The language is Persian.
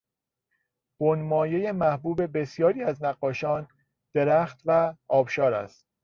بنمایهی محبوب بسیاری از نقاشان، درخت و آبشار است.